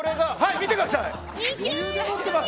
見てください。